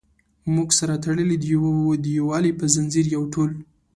موږ سره تړلي د یووالي په زنځیر یو ټول.